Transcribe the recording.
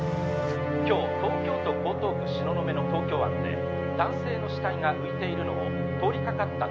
「今日東京都江東区東雲の東京湾で男性の死体が浮いているのを通りかかった」